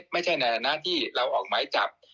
ไม่ใช่ในหน้าที่เราออกหมายจับ